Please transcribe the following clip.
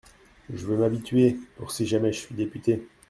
Je veux m’habituer pour si jamais je suis député…